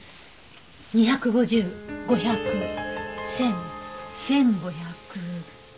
「２５０５００１０００１５００」。